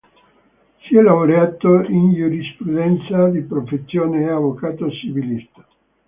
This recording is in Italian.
Si è laureato in giurisprudenza, di professione è avvocato civilista.